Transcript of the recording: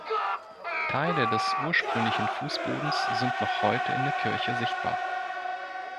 Teile des ursprünglichen Fußbodens sind noch heute in der Kirche sichtbar.